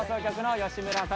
義村さん。